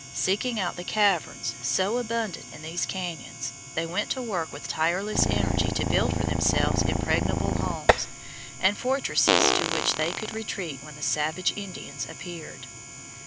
Seeking out the caverns so abundant in these cañons, they went to work with tireless energy to build for themselves impregnable homes and fortresses to which they could retreat when the savage Indians appeared.